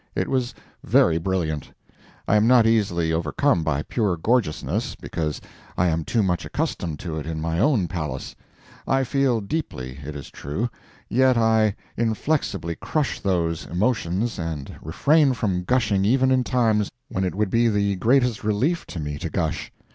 It was very brilliant. I am not easily overcome by pure gorgeousness, because I am too much accustomed to it in my own palace; I feel deeply, it is true, yet I inflexibly crush those emotions and refrain from gushing even in times when it would be the greatest relief to me to gush.